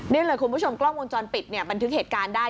นี่เลยคุณผู้ชมกล้องวงจรปิดเนี่ยบันทึกเหตุการณ์ได้